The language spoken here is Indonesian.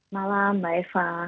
malam mbak eva